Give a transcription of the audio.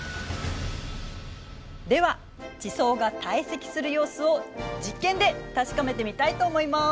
では地層が堆積する様子を実験で確かめてみたいと思います。